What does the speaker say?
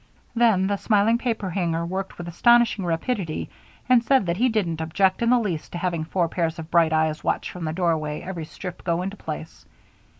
Then the smiling paperhanger worked with astonishing rapidity and said that he didn't object in the least to having four pairs of bright eyes watch from the doorway every strip go into place.